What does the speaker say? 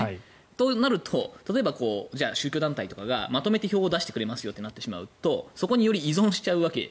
となると宗教団体とかがまとめて票を出してくれますよとなるとそこに、より依存しちゃうと。